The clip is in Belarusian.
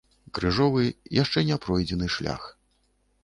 Крыжовы, яшчэ не пройдзены шлях.